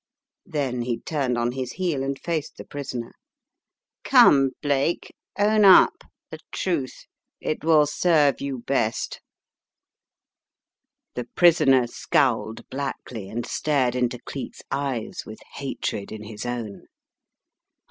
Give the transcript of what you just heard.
••." Then he turned on his heel and faced the prisoner. " Come, Blake, own up — the truth. It will serve you best." The prisoner scowled blackly and stared into Cleek's eyes with hatred in his own.